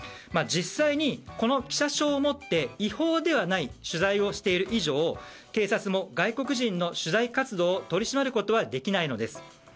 実際にこの記者証を持って違法ではない取材をしている以上警察も外国人の取材活動を取り締まることはできないのです。